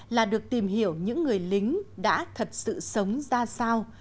là được tìm hiểu những người lính đã thật sự sống ra sao